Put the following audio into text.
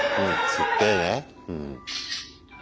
「吸ってー」ね。